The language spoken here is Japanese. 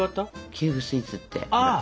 キューブスイーツってほら。